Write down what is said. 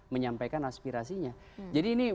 menyampaikan aspirasinya jadi ini